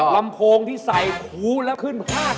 ลัมโคนที่ใส่หูและขึ้นผ้าจอ